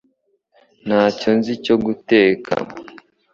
Ntacyo nzi cyo guteka